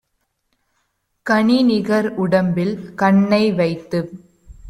கனிநிகர் உடம்பில் கண்ணை வைத்துப்